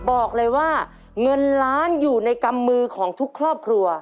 บอกเลยว่าเงินล้านอยู่ในกำมือของทุกครอบครัว